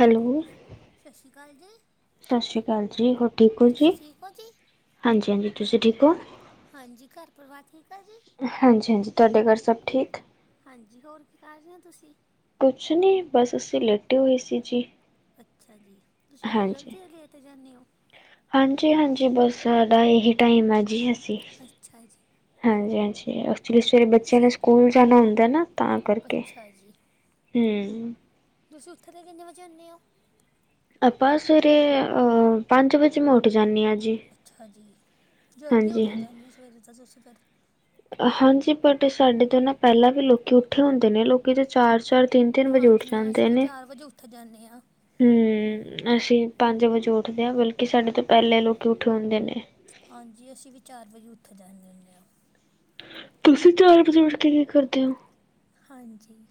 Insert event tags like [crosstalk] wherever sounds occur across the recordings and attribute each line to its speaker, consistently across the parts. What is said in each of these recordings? Speaker 1: Hello.
Speaker 2: ਸਤਿ ਸ਼੍ਰੀ ਅਕਾਲ ਜੀ।
Speaker 1: ਸਤਿ ਸ਼੍ਰੀ ਅਕਾਲ ਜੀ, ਹੋਰ ਠੀਕ ਹੋ ਜੀ?
Speaker 2: ਤੁਸੀਂ ਠੀਕ ਹੋ ਜੀ
Speaker 1: ਹਾਂਜੀ -ਹਾਂਜੀ, ਤੁਸੀਂ ਠੀਕ ਹੋ?
Speaker 2: ਹਾਂਜੀ, ਘਰ ਪਰਿਵਾਰ ਠੀਕ ਆ ਜੀ?
Speaker 1: ਹਾਂਜੀ- ਹਾਂਜੀ, ਤੁਹਾਡੇ ਘਰ ਸਭ ਠੀਕ?
Speaker 2: ਹਾਂਜੀ, ਹੋਰ ਕੀ ਕਰ ਰਹੇ ਹੋ ਤੁਸੀਂ?
Speaker 1: ਕੁਛ ਨਹੀਂ, ਬਸ ਅਸੀਂ ਲੇਟੇ ਹੋਏ ਸੀ ਜੀ।
Speaker 2: ਅੱਛਾ ਜੀ, ਤੁਸੀਂ ਇੰਨੀ
Speaker 1: ਹਾਂਜੀ
Speaker 2: ਜਲਦੀ ਓ ਲੇਟ ਜਾਂਨੇ ਹੋ?
Speaker 1: ਹਾਂਜੀ- ਹਾਂਜੀ, ਬਸ ਸਾਡਾ ਇਹੀ ਟਾਈਮ ਹੈ ਜੀ, ਅਸੀਂ
Speaker 2: ਅੱਛਾ ਜੀ।
Speaker 1: ਹਾਂਜੀ- ਹਾਂਜੀ। ਐਕਚੁਲੀ ਸਵੇਰੇ ਬੱਚਿਆਂ
Speaker 2: ਤੁਸੀਂ
Speaker 1: ਨੇ
Speaker 2: ਉੱਠ-
Speaker 1: ਸਕੂਲ ਜਾਣਾ ਹੁੰਦਾ ਨਾ, ਤਾਂ ਕਰਕੇ
Speaker 2: ਅੱਛਾ ਜੀ
Speaker 1: ਹਮ।
Speaker 2: ਤੁਸੀਂ ਉੱਠਦੇ ਕਿੰਨੇ ਵਜੇ ਹੁੰਨੇ ਹੋ?
Speaker 1: ਆਪਾਂ ਸਵੇਰੇ, ਪੰਜ ਵਜੇ ਮੈਂ ਉੱਠ ਜਾਨੀ ਆ ਜੀ।
Speaker 2: ਅੱਛਾ ਜੀ, ਜਲਦੀ
Speaker 1: ਹਾਂਜੀ
Speaker 2: ਉੱਠ
Speaker 1: ਹਾਂ
Speaker 2: ਜਾਂਨੇ ਹੋ ਸਵੇਰੇ ਤਾਂ ਤੁਸੀਂ ਫਿਰ।
Speaker 1: ਹਾਂਜੀ, ਬਟ ਸਾਡੇ ਤੋਂ ਨਾ ਪਹਿਲਾਂ ਵੀ ਲੋਕੀ ਉੱਠੇ ਹੁੰਦੇ ਨੇ, ਲੋਕੀ ਤਾਂ ਚਾਰ -ਚਾਰ ਤਿੰਨ ਤਿੰਨ ਵਜੇ ਉੱਠ
Speaker 2: ਹਾਂਜੀ ਹਾਂ, ਅਸੀਂ ਵੀ ਚਾਰ ਵਜੇ ਉੱਠ ਜਾਂਨੇ ਹਾਂ।
Speaker 1: ਹਮ, ਅਸੀਂ ਪੰਜ ਵਜੇ ਉੱਠਦੇ ਹਾਂ, ਬਲਕਿ ਸਾਡੇ ਤੋਂ ਪਹਿਲੇ ਲੋਕ ਉੱਠੇ ਹੁੰਦੇ ਨੇ।
Speaker 2: ਹਾਂਜੀ, ਅਸੀਂ ਵੀ ਚਾਰ ਵਜੇ ਉੱਠ ਜਾਨੇ ਹੁੰਦੇ ਹਾਂ।
Speaker 1: ਤੁਸੀਂ, ਚਾਰ ਵਜ਼ੇ ਉੱਠ ਕੇ ਕੀ ਕਰਦੇ ਹੋ?
Speaker 2: ਹਾਂਜੀ।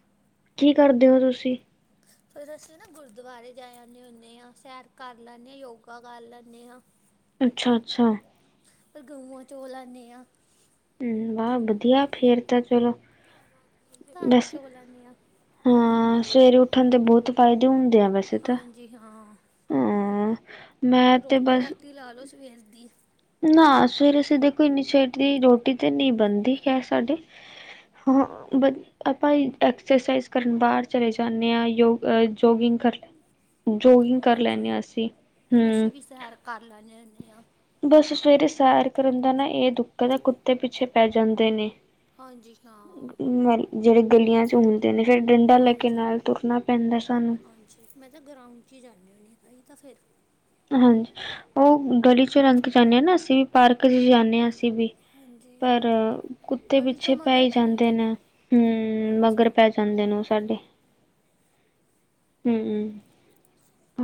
Speaker 1: ਕੀ ਕਰਦੇ ਹੋ ਤੁਸੀਂ?
Speaker 2: [inaudible] ਫਿਰ ਅਸੀਂ ਨਾ, ਗੁਰਦੁਆਰੇ ਜਾ ਆਨੇ ਹੁੰਨੇ ਹਾਂ, ਸੈਰ ਕਰ ਲੈਂਨੇ ਹਾਂ, ਯੋਗਾ ਕਰ ਲੈਂਨੇ ਹਾਂ।
Speaker 1: ਅੱਛਾ- ਅੱਛਾ।
Speaker 2: ਫਿਰ, ਗਊਆਂ ਚੋਅ ਲੈਨੇ ਹਾਂ।
Speaker 1: ਹਮ, ਵਾਹ ਵਧੀਆ ਫੇਰ ਤਾਂ ਚਲੋ।
Speaker 2: ਧਾਰਾ
Speaker 1: ਬਸ
Speaker 2: ਚੋਲ ਲੈਂਨੀ ਆ।
Speaker 1: ਹਾਂ ਸਵੇਰੇ ਉੱਠਣ ਦੇ ਬਹੁਤ ਫਾਇਦੇ ਹੁੰਦੇ ਆ ਬਸ,
Speaker 2: ਹਾਂਜੀ ਹਾਂ
Speaker 1: ਹਾਂ ਮੈਂ ਤੇ ਬਸ,
Speaker 2: ਤ ਲਾ ਲਓ ਸਵੇਰ ਦੀ,
Speaker 1: ਨਾ ਸਵੇਰੇ -ਸਵੇਰੇ, ਦੇਖੋ ਇੰਨੀ ਛੇਤੀ ਰੋਟੀ ਤੇ ਨਹੀਂ ਬਣਦੀ ਹੈ ਸਾਡੇ। ਹਾਂ, ਬ ਆਪਾਂ ਐਕਸਰਸਾਈਜ਼, ਕਰਨ ਬਾਹਰ ਚਲੇ ਜਾਂਨੇ ਹਾਂ ਯ ਜੋਗਿੰਗ ਕਰ ਲੈ ਜੋਗਿੰਗ ਕਰ ਲੈਂਦੇ
Speaker 2: ਹਾਂਜੀ
Speaker 1: ਹਾਂ, ਅਸੀਂ ਹਮ
Speaker 2: ਅਸੀਂ ਵੀ ਸੈਰ ਕਰ ਲੈਨੇ ਹੁੰਨੇ ਹਾਂ।
Speaker 1: ਬਸ ਸਵੇਰੇ ਸੈਰ ਕਰਨ ਜਾਂਦੇ ਹਾਂ, ਇਹ ਦੁੱਖ ਦਾ ਕੁੱਤੇ ਪਿੱਛੇ ਪੈ ਜਾਂਦੇ ਨੇ।
Speaker 2: ਹਾਂਜੀ, ਹਾਂ।
Speaker 1: ਮ ਜਿਹੜੇ ਗਲੀਆਂ ਚ ਹੁੰਦੇ ਨੇ, ਫਿਰ ਡੰਡਾ ਲੈਕੇ
Speaker 2: ਹਾਂਜੀ
Speaker 1: ਨਾਲ, ਤੁਰਨਾ ਪੈਂਦਾ ਸਾਨੂੰ।
Speaker 2: ਹਾਂਜੀ ਮੈਂ ਤਾਂ ਗਰਾਾਊਂਡ ਚ ਹੀ ਜਾਂਦੀ ਹੁੰਨੀ, ਹਾਂ ਤਾਂ ਤਾਂ ਫਿਰ।
Speaker 1: ਹਾਂਜੀ ਉਹ ਗਲੀ ਚੋਂ ਲੰਘ ਕੇ ਜਾਂਨੇ ਹਾਂ ਨਾ, ਅਸੀਂ ਵੀ ਪਾਰਕ ਚ ਜਾਂਨੇ ਹਾਂ ਅਸੀਂ ਵੀ।
Speaker 2: ਹਾਂਜੀ
Speaker 1: ਪਰ ਕੁੱਤੇ ਪਿੱਛੇ ਪੈ ਹੀ ਜਾਂਦੇ, ਨੇ ਹੂੰ
Speaker 2: ਹਾਂਜੀ
Speaker 1: ਮਗਰ ਪੈ। ਚੰਦੇ ਨੂੰ ਸਾਡੇ, ਹੂੰ,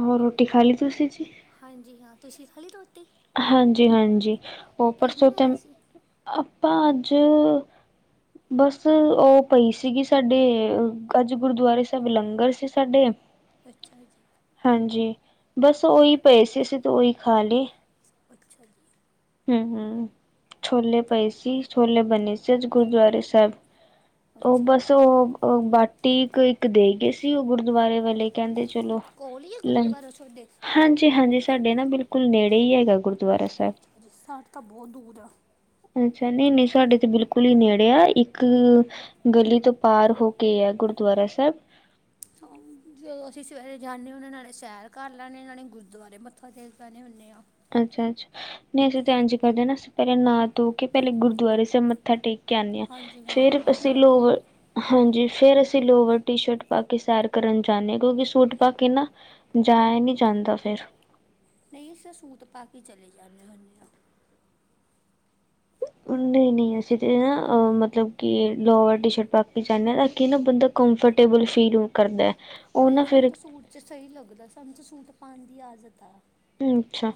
Speaker 1: ਹੋਰ ਰੋਟੀ ਖਾ ਲਈ ਤੁਸੀਂ?
Speaker 2: ਹਾਂਜੀ ਹਾਂ, ਤੁਸੀਂ ਖਾਲੀ ਰੋਟੀ?
Speaker 1: ਹਾਂਜੀ, ਹਾਂਜੀ ਉਹ
Speaker 2: ਕੀ
Speaker 1: ਪਰਸੋਂ ਤੇ
Speaker 2: ਬਣਾਇਆ ਸੀ
Speaker 1: ਆਪਾਂ ਅੱਜ ਬਸ ਉਹ ਪਈ ਸੀਗੀ, ਸਾਡੇ ਅੱਜ ਗੁਰਦੁਆਰੇ ਸਾਹਿਬ ਲੰਗਰ ਸੀ। ਛੱਡਿਆ,
Speaker 2: ਅੱਛਾ ਜੀ,
Speaker 1: ਹਾਂਜੀ, ਬਸ ਉਹੀ ਪਏ ਸੀ, ਅਸੀਂ ਤਾਂ ਉਹੀ ਖਾ ਲਈ।
Speaker 2: ਅੱਛਾ ਜੀ,
Speaker 1: ਹੂੰ-ਹੂੰ ਛੋਲੇ ਪਏ ਸੀ, ਛੋਲੇ ਬਣੇ ਸੀ ਗੁਰੂਦੁਆਰੇ, ਉਹ
Speaker 2: ਅੱਛਾ ਜੀ
Speaker 1: ਬੱਸ ਉਹ ਬਾ ਟੀਕ ਇੱਕ ਦੇ ਗਏ ਸੀ, ਉਹ ਗੁਰਦੁਆਰੇ ਵਾਲੇ ਕਹਿੰਦੇ ਚਲੋ
Speaker 2: ਕੋਲ ਹੀ ਹੈ ਗੁਰਦੁਆਰਾ ਤੁਹਾਡੇ
Speaker 1: ਹਾਂਜੀ, ਹਾਂਜੀ ਸਾਡੇ ਨਾ ਬਿਲਕੁਲ ਬਿਲਕੁਲ ਨੇੜੇ ਹੀ ਹੈਗਾ, ਗੁਰਦੁਆਰਾ ਸਾਹਿਬ
Speaker 2: ਸਾਡੇ ਤਾਂ ਬਹੁਤ ਦੂਰ ਆ।
Speaker 1: ਅੱਛਾ ਨਹੀਂ, ਨਹੀਂ ਸਾਡੇ ਤੇ ਬਿਲਕੁਲ ਹੀ ਨੇੜੇ ਆ ਇੱਕ ਗਲੀ ਤੋਂ ਪਾਰ ਹੋ ਕੇ ਆ, ਗੁਰਦੁਆਰਾ ਸਾਹਿਬ
Speaker 2: ਹਾਂ, ਜਦੋਂ ਅਸੀਂ ਸਵੇਰੇ ਜਾਂਦੇ ਹੁੰਦੇ ਨਾਲੇ ਸੈਰ ਕਰਰ ਲੈਦੇ ਆ, ਨਾਲੇ ਗੁਰਦੁਆਰੇ ਮੱਥਾ ਟਕ ਲੈਣੇ ਹੁੰਦੇ ਹਾਂ।
Speaker 1: ਅੱਛਾ, ਅੱਛਾ, ਨਹੀਂ ਅਸੀਂ ਧਨ ਜੀ ਕਰਦੇ ਨਾ ਅਸੀਂ ਪਹਿਲਾਂ ਨ ਧੋ ਕੇ ਪਹਿਲੇ ਗੁਰਦੁਆਰੇ ਸਿਰ ਮੱਥਾ ਟੇਕ ਕਦੇ ਹਾਂ
Speaker 2: ਹਾਂਜੀ
Speaker 1: ਫੇਰ
Speaker 2: ਹਾਂ
Speaker 1: ਅਸੀਂ
Speaker 2: ਨਾ ਧੋ
Speaker 1: ਲੋਕ
Speaker 2: ਕੇ
Speaker 1: ਹਾਂਜੀ, ਫੇਰ ਅਸੀਂ ਲੋਵਰ ਟੀ ਸ਼ਰਟ ਪਾ ਕੇ ਸੈਰ ਕਰਨ ਜਾਂਦੇ ਹਾਂ, ਕਿਉਂਕਿ ਸੂਟ ਪਾ ਕੇ ਨਾ ਜਾ ਨੀ ਜਾਂਦਾ ਫਿਰ,
Speaker 2: ਨਹੀਂ ਅ ਸੂਟ ਪਾ ਕੇ ਚਲੇ ਜਾਂਦੇ ਹੁੰਦੇ ਹਾਂ।
Speaker 1: ਨਹੀਂ, ਨਹੀਂ ਅਸੀਂ ਤੇ ਨਾ ਮਤਲਬ, ਕਿ ਲਵ ਟੀ ਸ਼ਰਟ ਪਾ ਕੇ ਚਾਹੁੰਦੇ ਹਾਂ ਤਾਂ ਕਿ ਨਾ ਬੰਦਾ। ਕੰਫਰਟੇਬਲ ਫੀਲ ਕਰਦਾ। ਉਹ
Speaker 2: ਨਹੀਂ
Speaker 1: ਨਾ
Speaker 2: ਸਾਨੂੰ
Speaker 1: ਫਿਰ
Speaker 2: ਤਾਂ ਸੂਟ ਚ ਸਹੀ ਲੱਗਦਾ, ਸਾਨੂੰ ਤਾਂ ਸੂਟ ਪਾਉਣ ਦੀ ਆਜਤ ਆ।
Speaker 1: ਅੱਛਾ,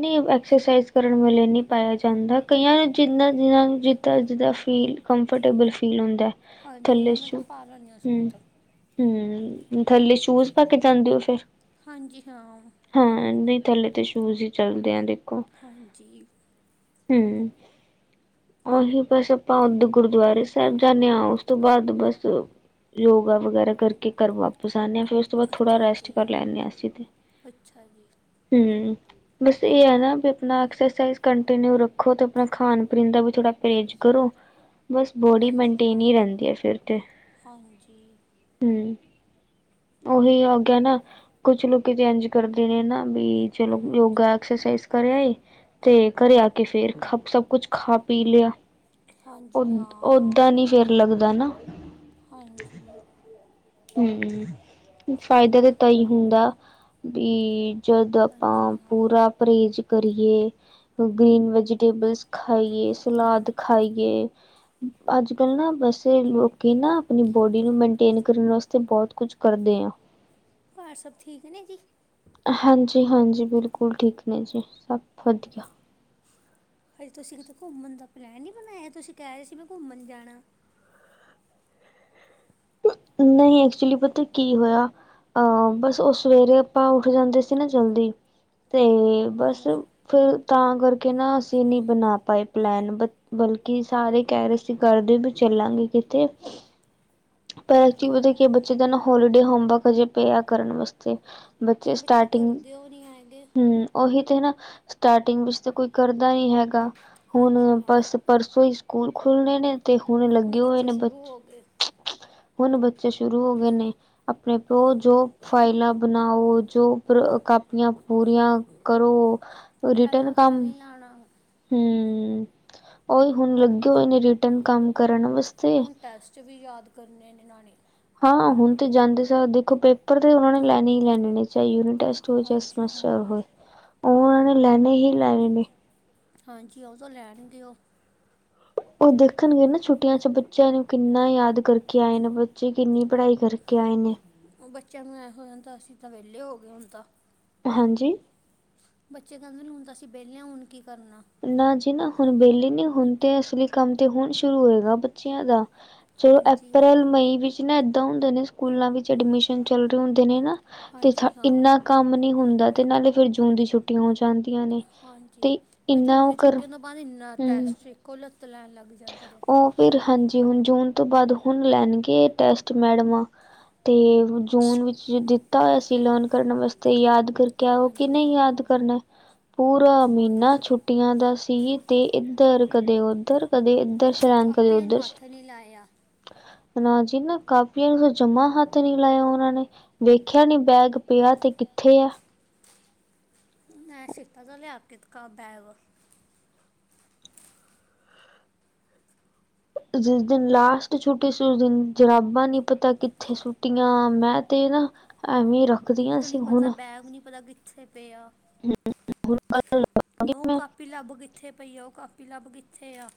Speaker 1: ਨਹੀਂ ਐਕਸਰਸਾਈਜ਼ ਕਰਨ ਵੇਲੇ ਨਹੀਂ ਪਾਇਆ ਜਾਂਦਾ, ਕਈਆਂ ਨੂੰ ਜਿੰਦ ਜਿਨ੍ਹਾਂ ਨੂੰ ਜਿੱਦਾਂ ਜਿੱਦਾਂ ਫੀਲ ਕੰਫਰਟੇਬਲ ਫੀਲ ਹੁੰਦਾ ਹੈ।
Speaker 2: ਹਾਂਜੀ ਹਾਂ, ਮੈਂ ਤਾਂ ਪਾ ਲੈਣੀ ਹਾਂ ਸੂਟ
Speaker 1: ਹੂੰ ਥੱਲੇ ਸ਼ੂਜ ਪਾ ਕੇ ਜਾਂਦੇ ਹੋ ਫੇਰ
Speaker 2: ਹਾਂਜੀ ਹਾਂ,
Speaker 1: ਹਾਂ ਨਹੀਂ ਥੱਲੇ ਤਾਂ ਸ਼ੂਜ ਹੀ ਚੱਲਦੇ ਆ ਦੇਖੋ।
Speaker 2: ਹਾਂਜੀ,
Speaker 1: ਹੂੰ। ਓਹੀ ਬੱਸ ਅਪਾਂ ਆਪਦੇ ਗੁਰਦੁਆਰੇ ਸੈਬ ਜਾਂਨੇ ਆ ਉਸ ਤੋ ਬਾਦ ਬੱਸ ਯੋਗਾ ਵਗੈਰਾ ਕਰਕੇ ਘੱਰ ਵਾਪਿਸ ਆਨੇ ਆ ਫੇਰ ਉਹ ਤੋਂ ਥੋੜ੍ਹਾ
Speaker 2: ਅੱਛਾ
Speaker 1: ਰੈਸਟ
Speaker 2: ਜੀ
Speaker 1: ਕਰ ਲੈਂਣੇ ਆਂ ਅਸੀਂ ਤੇ
Speaker 2: ਅੱਛਾ ਜੀ
Speaker 1: ਹਂ, ਬਸ ਇਹ ਐ ਨਾਂ ਵੀ ਆਪਣਾ ਐਕਸਰਸਾਈਜ਼ ਕਨ ਟ ਨੂੰ ਰੱਖੋ ਤੇ ਆਪਣਾ ਖਾਣ-ਪੀਣ ਦਾ ਵੀ ਥੋੜ੍ਹਾ ਪਰਹੇਜ਼ ਕਰੋ ਬਸ ਬੋਡੀ
Speaker 2: ਹਾਂਜੀ
Speaker 1: ਮੇਂਨਟੇਨ
Speaker 2: ਹਾਂ
Speaker 1: ਈ ਰਹਿੰਦੀ ਆ ਫਿਰ ਤੇ
Speaker 2: ਹਾਂਜੀ
Speaker 1: ਹਂ, ਉਹੀ ਹੋ ਗਿਆ ਨਾਂ, ਕੁਛ ਲੋਕੀ ਇੰਜ ਕਰਦੇ ਨੇਂ ਨਾਂ ਬੀ ਚਲੋ
Speaker 2: ਹਾਂਜੀ
Speaker 1: ਯੋਗਾ ਐਕਸਰਸਾਈਜ਼ ਕਰਿ ਆਏ ਤੇ ਘਰੇ ਆ ਕੇ ਫੇਰ ਖਪ ਸਭ ਕੁਛ ਖਾ ਪੀ ਲਿਆ,
Speaker 2: ਹਾਂਜੀ
Speaker 1: ਓਦ
Speaker 2: ਹਾਂ
Speaker 1: ਓਦਾਂ ਨੀਂ ਚਿਰ ਲੱਗਦਾ ਨਾਂ
Speaker 2: ਹਾਂਜੀ
Speaker 1: ਹਂ, ਫਾਇਦਾ ਤਾਂ ਈ ਹੁੰਦਾ, ਵੀ ਜਦੋਂ
Speaker 2: ਹਾਂਜੀ
Speaker 1: ਆਪਾਂ
Speaker 2: ਹਾਂ
Speaker 1: ਪੂਰਾ ਪਰਹੇਜ਼ ਕਰੀਏ। ਗ੍ਰੀਨ ਵੈਜੀਟੇਬਲਸ ਖਾਈਏ, ਸਲਾਦ ਖਾਈਏ। ਅੱਜ-ਕੱਲ੍ਹ ਨਾ ਵੈਸੇ ਲੋਕ ਨਾ ਆਪਣੀ ਬੋਡੀ ਨੂੰ ਮੇਨਟੇਨ ਕਰਨ ਵਾਸਤੇ ਬਹੁਤ ਕੁਝ ਕਰਦੇ ਆ।
Speaker 2: ਘਰ ਸਭ ਠੀਕ ਨੇ ਜੀ,
Speaker 1: ਹਾਂਜੀ-ਹਾਂਜੀ ਬਿਲਕੁਲ ਠੀਕ ਨੇ ਜੀ ਸਭ ਵਧੀਆ।
Speaker 2: ਹਜੇ ਤੁਸੀਂ ਕਿਤੇ ਘੁੰਮਣ ਦਾ ਪਲੈਨ ਨਹੀਂ ਬਣਾਇਆ। ਤੁਸੀਂ ਕਹਿ ਰਹੇ ਸੀ ਮੈਂ ਘੁੰਮਣ ਜਾਣਾ।
Speaker 1: ਨਹੀਂ ਐਕਚੁਲੀ ਪਤਾ ਕੀ ਹੋਇਆ ਅਹ ਬਸ ਉਹ ਸਵੇਰੇ ਆਪਾਂ ਉੱਠ ਜਾਂਦੇ ਸੀ, ਨਾ ਜਲਦੀ ਤੇ ਬਸ
Speaker 2: ਹਾਂਜੀ
Speaker 1: ਫਿਰ ਤਾਂ ਕਰਕੇ ਨਾ ਅਸੀਂ ਨਹੀਂ ਬਣਾ ਪਾਏ ਪਲੈਨ ਬਲਕਿ ਸਾਰੇ ਕਹਿ ਰਹੇ। ਤੁਸੀਂ ਕਰਦੇ ਬਈ ਚੱਲਾਂਗੇ ਕਿਤੇ ਪਰ
Speaker 2: ਹਾਂਜੀ
Speaker 1: ਐਕੁਚੀ ਪਤਾ ਕੀ ਏ
Speaker 2: ਹਾਂ
Speaker 1: ਬੱਚੇਆ ਦਾ ਨਾ ਹੋਲੀਡੇ ਹੋਮਵਰਕ ਹਜੇ ਪਏਐ ਕਰਨ ਵਸਤੇ। ਬੱਚੇ ਸਟਾਟਿੰਗ,
Speaker 2: ਕਰਦੇ ਹੋ ਨਹੀਂ ਹੈਗੇ
Speaker 1: ਹੂੰ ਓਹੀ ਤੇ ਨਾ ਸਟਾਟਿੰਗ ਵਿੱਚ ਤੇ ਕੋਈ ਕਰਦਾ ਈ ਹੈਗਾ, ਹੁਨ
Speaker 2: ਹਾਂਜੀ ਹਾਂ
Speaker 1: ਬਸ ਪਰਸੋਂ ਈ ਸਕੂਲ ਖੁਲਣੇ ਨੇਂ ਤੇ ਹੁਣ ਲੱਗੇ ਹੋਏ ਨੇਂ ਬੱਚੇ
Speaker 2: ਹੋਕੇ
Speaker 1: ਹੁਣ ਬੱਚੇ ਸ਼ੁਰੂ ਹੋ ਗਏ ਨੇਂ ਆਪਣੇ ਪਿਓ, ਜੋ ਫਾਈਲਾਂ ਬਣਾਓ, ਜੋ ਕਾਪੀਆਂ ਪੂਰੀਆਂ ਕਰੋ
Speaker 2: ਪਹਿਲਾਂ
Speaker 1: ਰਿਟਨ
Speaker 2: ਹੱਥ
Speaker 1: ਕੰਮ
Speaker 2: ਨਹੀਂ ਲਾਣਾ
Speaker 1: ਹਂ, ਓਹੀ ਹੁਣ ਲੱਗੇ ਹੋਏਨੇਂ ਰਿਟਰਨ ਕੰਮ ਕਰਨ ਬਸ
Speaker 2: ਹੁਣ ਟੈਸਟ ਵੀ ਯਾਦ ਕਰਨੇ ਨੇਂ ਇਨ੍ਹਾਂ ਨੇਂ
Speaker 1: ਹਾਂ ਹੁਣ ਤੇ ਜਾਂਦੇ ਸਾਰ ਦੇਖੋ ਪੇਪਰ ਤੇ ਉਹਨਾਂ ਨੇਂ ਲੈਂਣੇ ਈ ਲੈਣੇ ਨੇਂ ਚਾਹੇ ਯੂਨਿ ਟੇਟਸ ਵਿਚ
Speaker 2: ਹਾਂਜੀ
Speaker 1: ਸੱਮਸਿਆ
Speaker 2: ਹਾਂ
Speaker 1: ਹੋਏ ਉਹ ਉਹਨੇਂ ਲੈਣੇ ਹੀ ਲੈਣੇ ਨੇਂ
Speaker 2: ਹਾਂਜੀ ਉਹ ਤੋਂ ਲੈਣਗੇ ਉਹ
Speaker 1: ਉਹ ਦੇਖਣਗੇ ਨਾਂ ਛੁੱਟੀਆਂ ਚ ਬੱਚਿਆਂ ਨੂੰ ਕਿੰਨਾ ਯਾਦ ਕਰਕੇ ਆਏ ਨੇਂ ਬੱਚੇ, ਕਿੰਨੀ ਪੜ੍ਹਾਈ ਕਰਕੇ ਆਏ ਨੇਂ।
Speaker 2: ਉਹ ਬੱਚਿਆਂ ਨੂੰ ਐੋਹ ਹੋ ਜਾਂਦਾ ਅਸੀਂ ਤਾਂ ਵਿਹਲੇ ਹੋਗੇ ਹੁਣ ਤਾਂ
Speaker 1: ਹਾਂਜੀ
Speaker 2: ਬੱਚੇ ਕਹਿੰਦੇ ਹੁਣ ਤਾਂ ਅਸੀਂ ਵਿਹਲੇ ਆਂ ਹੁਣ ਕੀ ਕਰਨਾ।
Speaker 1: ਨਾਂ ਜੀ ਨਾਂ ਹੁਣ ਵਿਹਲੇ ਨੀਂ ਹੁਣ ਤੇ ਅਸਲੀ ਕੰਮ ਤੇ ਹੁਣ ਸ਼ੁਰੂ ਹੋਏਗਾ ਬੱਚਿਆਂ ਦਾ ਚਲੋ
Speaker 2: ਹਾਂਜੀ ਬ-
Speaker 1: ਅਪ੍ਰੈਲ ਮਈ ਵਿੱਚ ਨਾਂ ਏਦਾਂ ਹੁੰਦੇ ਨੇਂ ਸਕੂਲਾਂ ਵਿੱਚ ਐਡਮਿਸ਼ਨ ਚੱਲ ਰਹੇ ਹੁੰਦੇ ਨੇਂ ਨਾਂ ਤੇ
Speaker 2: ਹਾਂਜੀ
Speaker 1: ਥਾ
Speaker 2: ਹਾਂ
Speaker 1: ਇੰਨਾ ਕੰਮ ਨਈਂ ਹੁੰਦਾ ਤੇ ਨਾਲੇ ਫਿਰ ਜੂਨ ਦੀ ਛੁੱਟੀਆਂ ਹੋ ਜਾਂਦੀਆਂ ਨੇਂ।
Speaker 2: ਹਾਏ ਜੂਨ ਦੀ ਛੁੱਟੀਆਂ ਤੋਂ ਬਾਅਦ ਇੰਨਾ
Speaker 1: ਹੂੰ।
Speaker 2: ਟੈਸਟ ਇੱਕੋ ਲੱਤ ਲੈਣ ਲੱਗ ਜਾਂਦੇ ਨੇਂ।
Speaker 1: ਉਹ ਫਿਰ ਹਾਂਜੀ ਹੁਣ ਜੂਨ ਤੋਂ ਬਾਅਦ ਹੁਣ ਲੈਣਗੇ ਟੈਸਟ ਮੈਡਮਾਂ ਤੇ ਜੂਨ ਵਿੱਚ ਦਿੱਤਾ ਹੋਇਆ ਸੀ ਲਰਨ ਕਰਨ ਵਾਸਤੇ ਯਾਦ ਫਿਰ ਕਿਆ ਉਹ
Speaker 2: ਹਾਂਜੀ
Speaker 1: ਕਿਨੇ ਯਾਦ
Speaker 2: ਹਾਂ
Speaker 1: ਕਰਨਾ ਪੂਰਾ ਮਹੀਨਾ
Speaker 2: ਹਾਂਜੀ
Speaker 1: ਛੁੱ ਟੀਆਂ ਦਾ ਸੀ ਤੇ ਇੱਧਰ ਕਦੇ ਉੱਧਰ ਕਦੇ ਇੱਧਰ ਚਲਾਨ ਕਰਿ
Speaker 2: ਕਾਪੀਆਂ
Speaker 1: ਉਧਰ
Speaker 2: ਨੂੰ ਹੱਥ ਨਹੀਂ ਲਾਇਆ
Speaker 1: ਨਾਂ ਜੀ ਨਾਂ ਕਾਪੀਆਂ ਨੂੰ ਜਮਾ ਹੱਥ ਨੀਂ ਲਾਇਆ ਉਹਨਾਂ ਨੇਂ ਵੇਖਿਆ ਨੀਂ ਬੈਗ ਪਿਆ ਤੇ ਕਿੱਥੇ ਆ
Speaker 2: ਮੈਂ ਸੀਤਾ ਦਾ ਲਿਆ ਕੇ ਦਿਖਾ ਬੈਗ
Speaker 1: ਜਿਸ ਦਿਨ ਲਾਸਟ ਛੁੱਟੀ ਸੀ, ਉਸ ਦਿਨ ਜਰਾਬਾਂ ਨੀਂ ਪਤਾ ਕਿੱਥੇ ਸੂਟੀਆਂ, ਮੈਂ ਤੇ ਨਾਂ [unintelligible]
Speaker 2: ਬੂਟ ਨੀ ਪਤਾ ਬੈਗ ਨੀ ਪਤਾ, ਕਿੱਥੇ ਪਿਆ ਉਹ ਕ
Speaker 1: ਮੈਂ
Speaker 2: ਕਾਪੀ ਲੱਬ ਕਿੱਥੇ ਪਈ ਆ, ਉਹ ਕਾਪੀ ਲੱਬ ਕਿੱਥੇ ਆ।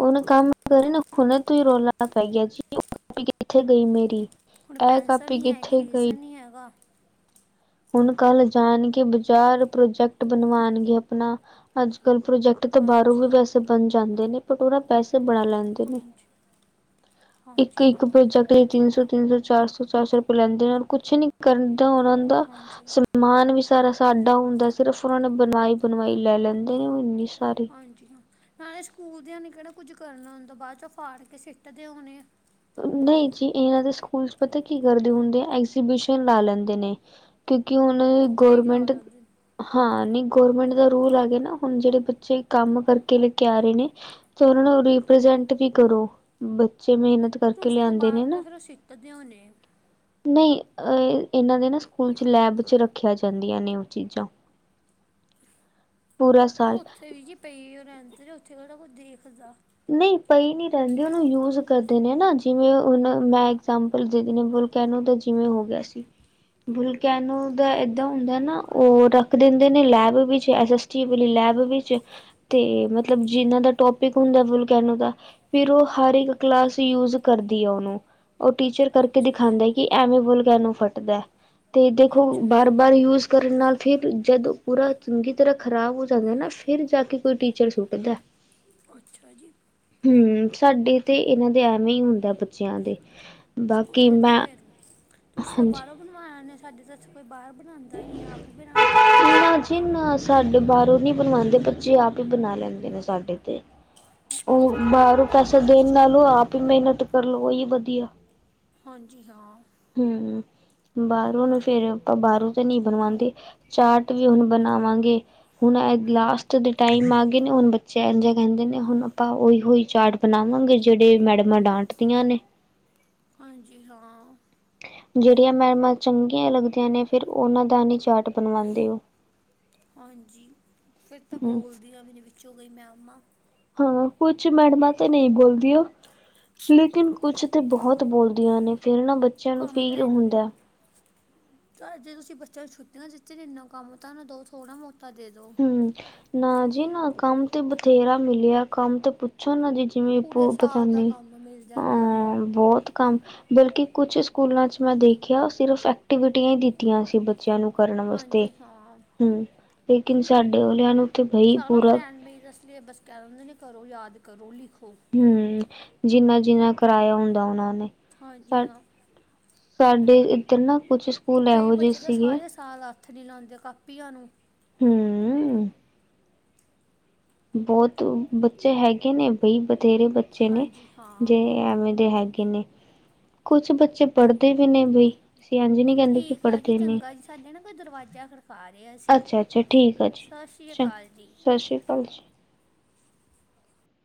Speaker 1: ਉਹਨੇ ਕੰਮ ਕਰੇ ਨਾ ਹੁਣੇ ਤੂੰ ਹੀ ਰੌਲਾਣਾ ਪੈ ਗਿਆ, ਜੀ ਕਿੱਥੇ ਗਈ ਮੇਰੀ,
Speaker 2: ਹੁਣ
Speaker 1: ਇਹ
Speaker 2: ਪੈਨਸਲ
Speaker 1: ਕਾਪੀ
Speaker 2: ਨਹੀਂ ਹੈਗੀ
Speaker 1: ਕਿੱਥੇ ਗਈ।
Speaker 2: ਰੀਜ਼ਨ ਨਹੀਂ ਹੈਗਾ,
Speaker 1: ਹੁਣ ਕੱਲ ਜਾਣਗੇ, ਬਾਜ਼ਾਰ ਪ੍ਰੋਜੈਕਟ ਬਣਵਾਣਗੇ ਆਪਣਾ ਅੱਜ ਕੱਲ ਪ੍ਰੋਜੈਕਟ ਤੋ ਬਾਹਰੋਂ ਵੀ
Speaker 2: ਹਾਂਜੀ
Speaker 1: ਪੈਸੇ ਬਣ ਜਾਂਦੇ ਨੇ ਬਟ ਉਹ ਨਾ ਪੈਸੇ ਬਣਾ ਲੈਂ ਨੇ
Speaker 2: ਹਾਂਜੀ ਹਾਂਜੀ
Speaker 1: ਇੱਕ-ਇੱਕ
Speaker 2: ਹਾਂ
Speaker 1: ਪ੍ਰੋਜੈਕਟ- ਤੇ ਤਿੰਨ ਸੌ-ਤਿੰਨ ਸੌ ਚਾਰ ਸੌ-ਚਾਰ ਸੌ ਰੁਪਏ ਲੈਂਦੇ ਨੇ ਕੁੱਛ ਨੀ ਕਰਦਾ ਉਹਨਾਂ ਦਾ
Speaker 2: ਹਾਂਜੀ।
Speaker 1: ਮਾਨ ਵੀ ਸਾਰਾ ਸਾਡਾ ਹੁੰਦਾ ਸਿਰਫ ਉਹਨਾਂ ਨੇਂ ਬਣਵਾਈ- ਬਣਵਾਈ ਲੈ ਲੈਂਦੇ ਨੇਂ ਇੰਨੀ ਸਾਰੀ
Speaker 2: ਹਾਂਜੀ ਹਾਂ, ਨਾਲੇ ਸਕੂਲ ਦੀਆਂ ਨੇਂ ਕਿਹੜਾ ਕੁੱਝ ਕਰਨਾ ਹੁੰਦਾ ਬਾਅਦ ਚੋਂ ਫੜ ਕੇ ਸਿੱਟਦੇ ਹੋਣੇ ਆ
Speaker 1: ਨਈਂ ਜੀ, ਇਹਨਾਂ ਦੇ ਸਕੂਲ ਪਤਾ ਕੀ ਕਰਦੇ ਹੁੰਦੇ ਆ ਐਗਜੀਬਿਸ਼ਨ ਲਾ ਲੈਂਦੇ ਨੇਂ। ਕਿਉਂਕਿ ਹੁਣ
Speaker 2: ਕਈ ਲਾ
Speaker 1: ਗੌਰਮੈਂਟ
Speaker 2: ਲੈਂਦੇ ਨੇ।
Speaker 1: ਹਾਂ ਨਹੀਂ ਗਰਮੈਂਟ ਦਾ ਰੂਲ ਆ ਗਿਆ ਨਾ ਹੁਣ ਜਿਹੜੇ ਬੱਚੇ ਕੰਮ ਕਰਕੇ ਲੈਕੇ ਆ ਰਹੇ ਨੇ ਤੇ ਉਹਨਾਂ ਨੂੰ ਰੀਪ੍ਰਜੈਂਟ ਵੀ ਕਰੋ ਬੱਚੇ ਮਿਹਨਤ ਕਰਕੇ
Speaker 2: ਉਸ ਤੋਂ
Speaker 1: ਲਿਆਂਦੇ ਨੇ
Speaker 2: ਬਾਦ ਤਾਂ
Speaker 1: ਨਾ।
Speaker 2: ਫਿਰ ਉਹ ਸਿੱਟਦੇ ਹੋਨੇ।
Speaker 1: ਨਹੀਂ ਇਹਨਾਂ ਦੇ ਨਾ ਸਕੂਲ ਚ ਲੈਬ ਚ ਰੱਖਿਆ ਜਾਂਦੀਆਂ ਨੇ ਉਹ ਚੀਜ਼ਾਂ। ਪੂਰਾ ਸਾਲ
Speaker 2: ਉੱਥੇ ਵੀ ਜੀ ਪਈ ਉਹ ਰਹਿੰਦੇ ਉੱਥੇ ਕੇੜਾ ਕੋਈ ਦੇਖਦਾ।
Speaker 1: ਨਹੀਂ ਪਈ ਨੀ ਰਹਿੰਦੀ ਉਹਨੂੰ ਯੂਜ ਕਰਦੇ ਨੇ ਨਾ ਜਿਵੇਂ ਹੁਣ ਮੈਂ ਇਗਜੈਮਪਲ ਦੇ ਬ ਕਹਿਣੋ ਤਾਂ ਜਿਵੇਂ ਹੋ ਗਿਆ ਸੀ। ਬੁਲਕੈਨੋ ਦਾ
Speaker 2: ਅੱਛ-
Speaker 1: ਏਦਾਂ ਹੁੰਦਾ ਨਾ ਉਹ ਰੱਖ ਦਿੰਦੇ ਨੇ ਲੈਬ ਵਿੱਚ ਐਸ-ਐਸ ਕੀ ਵਾਲੀ ਲੈਬ ਵਿੱਚ ਤੇ ਮਤਲਬ
Speaker 2: ਹਾਂਜੀ
Speaker 1: ਜਿਨਾਂ ਦਾ ਟੋਪਿਕ ਹੁੰਦਾ ਵੁਲਕੈਨੋ ਦਾ ਫਿਰ ਉਹ ਹਰ ਇੱਕ ਕਲਾਸ ਯੂਜ ਕਰਦੀ ਅ ਉਹਨੂੰ। ਉਹ ਟੀਚਰ ਕਰਕੇ
Speaker 2: ਅੱਛਾ ਜੀ
Speaker 1: ਦਿਖਾਂਦਾ ਕਿ ਐਵੇਂ ਵੁਲਕੈਨੋ ਫਟਦਾ ਤੇ ਦੇਖੋ
Speaker 2: ਅੱਛਾ ਜੀ
Speaker 1: ਬਾਰ-ਬਾਰ ਯੂਜ ਕਰਨ ਨਾਲ ਫਿਰ ਜਦੋਂ ਪੂਰਾ ਚੰਗੀ ਤਰ੍ਹਾਂ ਖ਼ਰਾਬ ਹੋ ਜਾਂਦਾ ਨਾ ਫਿਰ ਜਾ ਕੇ ਕੋਈ ਟੀਚਰ ਸੁੱਟਦਾ।
Speaker 2: ਅੱਛਾ ਜੀ।
Speaker 1: ਹੂੰ ਸਾਡੇ ਤੇ ਇਹਨਾਂ ਦੇ ਐਵੇਂ ਹੀ ਹੁੰਦਾ ਬੱਚਿਆਂ ਦੇ ਬਾਕੀ
Speaker 2: ਉਦੇ ਤਾਂ
Speaker 1: ਮੈਂ
Speaker 2: ਫੇਰ ਤੁਸੀਂ ਤਾਂ
Speaker 1: ਹਾਂਜੀ
Speaker 2: ਬਾਹਰੋਂ ਬਣਵਾ ਆਨੇ ਸਾਡੇ ਤਾਂ ਕੋਈ ਬਾਹਰ ਬਣਾਦਾ ਹੀ ਨਹੀਂ ਆਪ ਹੀ ਬਣਾਦੇ ਨੇ ਬੱਚੇ।
Speaker 1: ਨਾ ਬੱਚੇ ਸਾਡੇ ਬਾਹਰੋਂ ਨੀ ਬਣਵਾਦੇ ਬੱਚੇ ਆਪ ਹੀ ਬਣਾ ਲੈਂਦੇ ਨੇ ਸਾਡੇ ਤੇ ਉਹ ਬਾਹਰੋਂ ਪੈਸੇ ਦੇਣ ਨਾਲੋ ਆਪ ਹੀ ਮਿਹਨਤ ਕਰ ਲੋ ਉਹੀ ਵਧੀਆ।
Speaker 2: ਹਾਂਜੀ ਹਾਂ।
Speaker 1: ਹੂੰ ਬਾਹਰੋਂ ਵਲ ਫੇਰ ਆਪਾਂ ਬਾਹਰੋਂ ਤੇ ਨਹੀਂ ਬਣਵਾਦੇ। ਚਾਰਟ ਵੀ ਹੁਣ ਬਣਾਵਾਂਗੇ। ਹੁਣ ਇਹ‌ ਲਾਸਟ ਦੇ ਟਾਈਮ ਆ ਗਏ ਨੇ ਹੁਣ ਬੱਚੇ ਇੰਝੇ ਕਹਿੰਦੇ ਨੇ ਹੁਣ ਆਪਾਂ ਉਹੀ ਉਈ ਚਾਰਟ ਬਣਾਵਾਂਗੇ ਜਿਹੜੇ ਮੈਡਮਾਂ ਡਾਂਟਦੀਆਂ ਨੇ
Speaker 2: ਹਾਂਜੀ ਹਾਂ।
Speaker 1: ਜਿਹੜੀਆਂ ਮੈਮਾਂ ਚੰਗੀਆਂ ਲੱਗਦੀਆਂ ਨੇ ਫਿਰ ਉਹਨਾਂ ਦਾ ਨੀ ਚਾਰਟ ਬਣਵਾਦੇ ਉਹ।
Speaker 2: ਹਾਂਜੀ ਫਿਰ ਤਾਂ ਬੋਹ
Speaker 1: ਹੂੰ
Speaker 2: ਵਧੀਆ ਵੀ ਨੇ ਵਿੱਚੋਂ ਗਈ ਮੈਂਮਾ
Speaker 1: ਹਾਂ ਕੁੱਛ ਮੈਡਮਾਂ ਤੇ ਨਹੀਂ ਬੋਲਦੀਆਂ ਲੇਕਿਨ ਕੁੱਛ ਤੇ ਬਹੁਤ ਬੋਲਦੀਆਂ ਨੇ ਫੇਿਰ ਨਾ ਬੱਚਿਆਂ ਨੂੰ
Speaker 2: ਕੰਮ
Speaker 1: ਫੀਲ ਹੁੰਦਾ।
Speaker 2: ਚ ਜੇ ਤੁਸੀਂ ਬੱਚਿਆਂ ਨੂੰ ਛੱਟਿਆਂ ਦਿਤੀ ਨੇ ਇੰਨਾ ਕੰਮ ਤਾਂ ਨਾ ਦੋ ਥੋੜਾ ਬੋਤਾ ਦੇ ਦੋ।
Speaker 1: ਹੂੰ ਨਾ ਜੀ ਨਾ ਕੰਮ ਤੇ ਬਥੇਰਾ ਮਿਲਿਆ ਕੰਮ ਤੇ ਪੁੱਛੋ ਨਾ ਜੀ ਜਿਵੇਂ
Speaker 2: ਪੂਰੇ
Speaker 1: ਭੂ
Speaker 2: ਸਾਲ ਦਾ
Speaker 1: ਪਤਾਨੀ
Speaker 2: ਕੰਮ ਮਿਲ
Speaker 1: ਹਾਂ
Speaker 2: ਜਾਂਦਾ
Speaker 1: ਬਹੁਤ ਕੰਮ ਬਲਕਿ ਕੁੱਛ ਸਕੂਲਾਂ ਚ ਮੈਂ ਦੇਖਿਆ ਸਿਰਫ ਐਕਟੀਵਿਟੀਆਂ ਹੀ ਦਿੱਤੀਆਂ ਸੀ ਬੱਚਿਆਂ ਨੂੰ ਕਰਨ ਵਾਸਤੇ
Speaker 2: ਹਾਂਜੀ ਹਾਂ
Speaker 1: ਹੂੰ ਲੇਕਿਨ ਸਾਡੇ ਵਾਲਿਆਂ ਨੂੰ ਤੇ ਬਈ
Speaker 2: ਸਾਰਾ
Speaker 1: ਪੂਰਾ
Speaker 2: ਪ੍ਰੈਨ [unintelligible] ਯਾਦ ਕਰੋ ਲਿਖੋ।
Speaker 1: ਹੂੰ, ਜਿੰਨਾ ਜਿੰਨਾ ਕਰਾਏਆ ਹੁੰਦਾ ਓਨਾਂ ਨੇ।
Speaker 2: ਹਾਂਜੀ,
Speaker 1: ਸਾ
Speaker 2: ਹਾਂ।
Speaker 1: ਸਾਡੇ ਇੱਧਰ ਨਾ ਕੁੱਛ ਸਕੂਲ
Speaker 2: ਕਈ
Speaker 1: ਇਹੋ ਜਿਹੇ
Speaker 2: ਬੱਚੇ ਤਾਂ
Speaker 1: ਸੀਗੇ
Speaker 2: ਸਾਰੇ ਸਾਲ ਹੱਥ ਨਹੀਂ ਲਾਂਦੇ ਕਾਪੀਆਂ ਨੂੰ
Speaker 1: ਹੂੰ। ਬਹੁਤ ਬੱਚੇ ਹੈਗੇ ਨੇ ਬਈ ਬਥੇਰੇ ਬ ਬੱਚੇ ਨੇ
Speaker 2: ਹਾਂਜੀ ਹਾਂ
Speaker 1: ਜੇ ਐਵੇਂ ਦੇ ਹੈਗੇ ਨੇ ਕੁਛ ਬੱਚੇ ਪੜ੍ਹਦੇ ਵੀ ਨੇ ਬਈ ਅਸੀਂ ਐਝ ਨਹੀ ਕਹਿੰਦੇ ਕਿ
Speaker 2: ਠੀਕ ਆ ਜੀ
Speaker 1: ਪੜ੍ਹਦੇ ਨੀ
Speaker 2: ਚੰਗਾ ਜੀ ਸਾਡੇ ਨਾ ਕੋਈ ਦਰਵਾਜ਼ਾ ਖੜਕਾ ਰਿਹਾ ਸੀ
Speaker 1: ਅੱਛਾ ਅੱਛਾ ਠੀਕ
Speaker 2: ਸਤਿ ਸ਼੍ਰੀ ਅਕਾਲ ਜੀ।
Speaker 1: ਅਲਸ